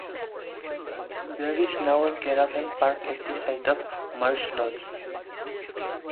There is now a caravan park at the site of Merge Lodge.